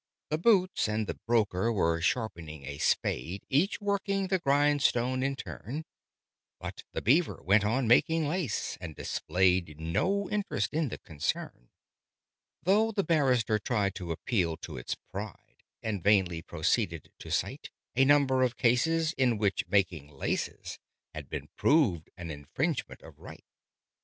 The Boots and the Broker were sharpening a spade Each working the grindstone in turn: But the Beaver went on making lace, and displayed No interest in the concern: Though the Barrister tried to appeal to its pride, And vainly proceeded to cite A number of cases, in which making laces Had been proved an infringement of right.